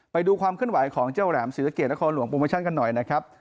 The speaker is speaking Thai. ไปดูความเคลื่อนไหวของเจ้าแหลมศรีสะเกดนครหลวงโปรโมชั่นกันหน่อยนะครับ